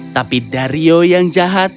tapi dario yang jahat